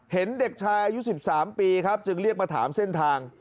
เห็นเด็กชายอายุ๑๓ปีครับจึงเรียกมาถามเส้นทาง